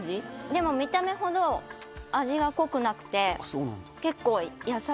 でも見た目ほど味が濃くなくて結構。